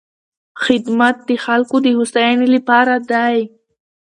خدمت د خلکو د هوساینې لپاره دی.